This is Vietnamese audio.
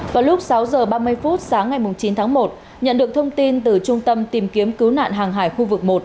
vào lúc sáu h ba mươi phút sáng ngày chín tháng một nhận được thông tin từ trung tâm tìm kiếm cứu nạn hàng hải khu vực một